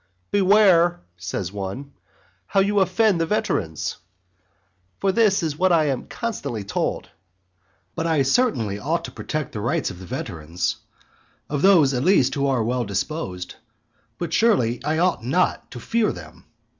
"Beware," says one, "how you offend the veterans." For this is what I am most constantly told. But I certainly ought to protect the rights of the veterans; of those at least who are well disposed; but surely I ought not to fear them.